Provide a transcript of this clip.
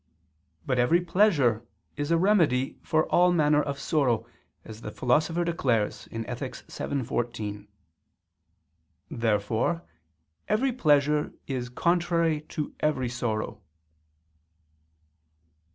But every pleasure is a remedy for all manner of sorrow, as the Philosopher declares (Ethic. vii, 14). Therefore every pleasure is contrary to every sorrow.